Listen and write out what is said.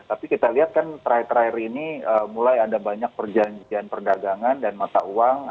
tapi kita lihat kan terakhir terakhir ini mulai ada banyak perjanjian perdagangan dan mata uang